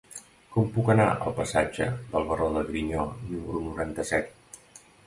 Com puc anar al passatge del Baró de Griñó número noranta-set?